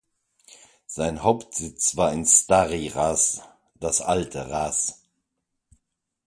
Sein Hauptsitz war in Stari Ras (das alte Ras).